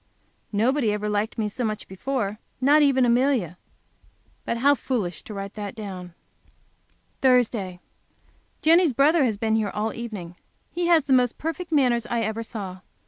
Nobody ever liked me so much before, not even Amelia. But how foolish to write that down! Thursday. Jenny's brother has been here all evening. He has the most perfect manners I ever saw.